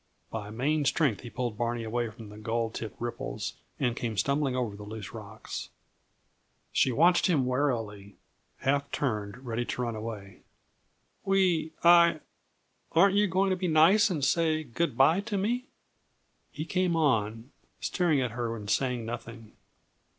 By main strength he pulled Barney away from the gold tipped ripples, and came stumbling over the loose rocks. She watched him warily, half turned, ready to run away. "We I aren't you going to be nice and say good by to me?" He came on, staring at her and saying nothing.